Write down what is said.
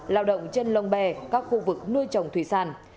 lao động trên lông bè các khu vực nuôi trồng thủy sản